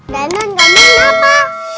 dandan kamu ingin apa